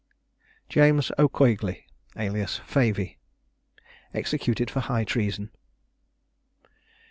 JAMES O'COIGLEY, alias FAVEY. EXECUTED FOR HIGH TREASON.